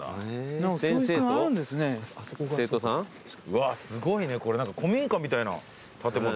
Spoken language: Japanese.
うわすごいねこれ何か古民家みたいな建物。